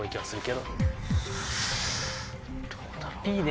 どうだろうな。